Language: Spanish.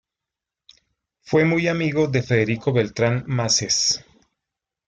Fue muy amigo de Federico Beltran Masses.